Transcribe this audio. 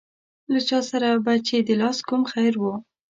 له چا سره به چې د لاس کوم خیر و.